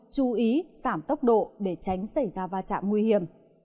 chú ý giảm tốc độ để tránh xảy ra va chạm nguy hiểm